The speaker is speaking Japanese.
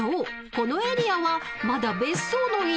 このエリアはまだ別荘の入り口前］